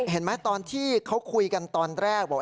เห็นไหมตอนที่เขาคุยกันตอนแรกบอก